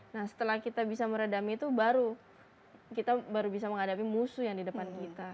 nah setelah kita bisa meredam itu baru kita baru bisa menghadapi musuh yang di depan kita